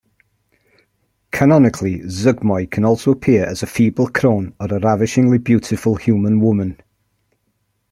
Canonically, Zuggtmoy can also appear as a feeble crone or a ravishingly-beautiful human woman.